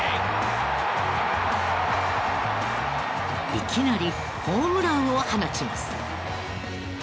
いきなりホームランを放ちます。